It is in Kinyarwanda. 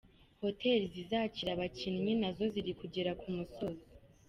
Hotel zizakira abakinnyi na zo zirimo kugera ku musozo.